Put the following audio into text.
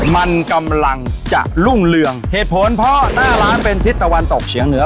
มันกำลังจะรุ่งเรืองเหตุผลเพราะหน้าร้านเป็นทิศตะวันตกเฉียงเหนือ